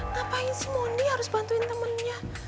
ngapain sih mondi harus bantuin temennya